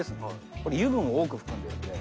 これ油分を多く含んでいるので。